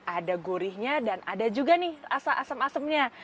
ada gurihnya dan ada juga nih rasa asam asamnya